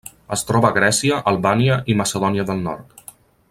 Es troba a Grècia, Albània i Macedònia del Nord.